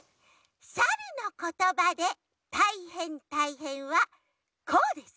「サルのことばでたいへんたいへん！」はこうです！